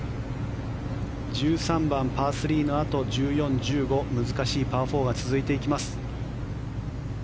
１３番、パー３のあと１４、１５難しいパー４が続いていきます。